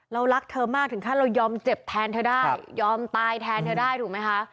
รักเธอมากถึงขั้นเรายอมเจ็บแทนเธอได้ยอมตายแทนเธอได้ถูกไหมคะ